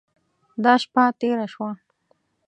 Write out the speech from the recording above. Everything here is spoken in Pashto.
دا شپه تېره شوه.